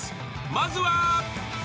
まずは］